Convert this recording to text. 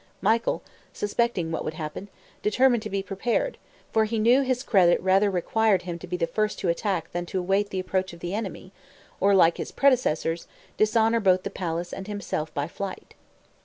Michael, suspecting what would happen, determined to be prepared, for he knew his credit rather required him to be first to the attack than to wait the approach of the enemy, or, like his predecessors, dishonor both the palace and himself by flight.